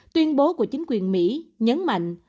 tuyên bố của chính quyền mỹ nhấn mạnh